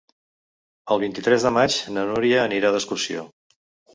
El vint-i-tres de maig na Núria anirà d'excursió.